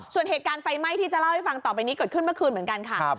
ส่วนเหตุการณ์ไฟไหม้ที่จะเล่าให้ฟังต่อไปนี้เกิดขึ้นเมื่อคืนเหมือนกันค่ะ